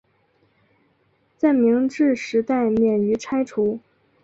在明治时代免于拆除。